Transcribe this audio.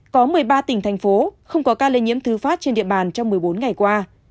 có một mươi ba tỉnh thành phố không có ca lây nhiễm thứ phát trên địa bàn trong một mươi bốn ngày qua